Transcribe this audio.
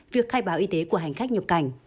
việc khai báo y tế của hành khách nhập cảnh